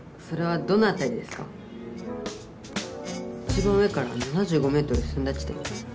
一番上から７５ｍ進んだ地点？